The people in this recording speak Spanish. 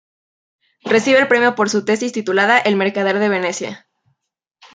Recibe el premio por su tesis titulada El mercader de Venecia.